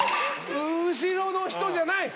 後ろの人じゃない。